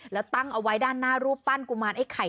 แล้วตั้งเอาไว้ด้านหน้ารูปปั้นกุมารไอ้ไข่